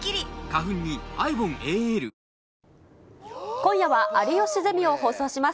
今夜は有吉ゼミを放送します。